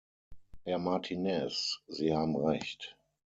Herr Martinez, Sie haben recht.